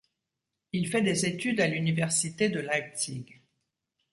Il fait des études à l'université de Leipzig.